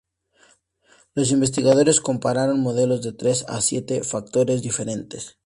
Los investigadores compararon modelos de tres a siete factores diferentes.